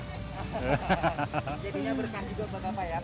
jadinya berkah juga bagaimana ya